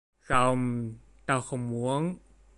Không Tao không muốn